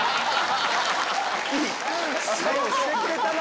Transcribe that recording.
ようしてくれたな！